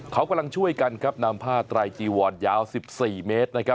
เขากำลังช่วยกันครับนำผ้าไตรจีวอนยาว๑๔เมตร